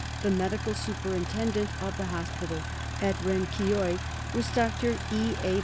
The medical superintendent of the hospital at Renkioi was Dr. E. A.